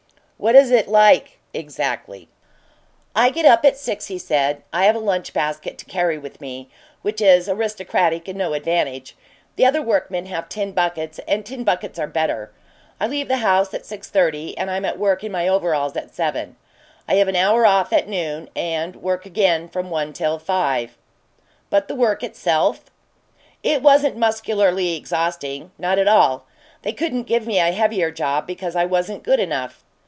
"What is it like exactly?" "I get up at six," he said. "I have a lunch basket to carry with me, which is aristocratic and no advantage. The other workmen have tin buckets, and tin buckets are better. I leave the house at six thirty, and I'm at work in my overalls at seven. I have an hour off at noon, and work again from one till five." "But the work itself?" "It wasn't muscularly exhausting not at all. They couldn't give me a heavier job because I wasn't good enough."